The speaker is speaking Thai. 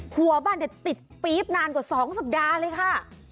หัวบ้านติดปี๊บนานกว่า๒สัปดาห์เลยค่ะ